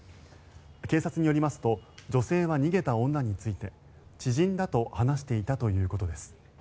警察によりますと女性は、逃げた女について知人だと話していたということです。